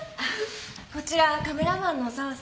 こちらカメラマンの沢さん。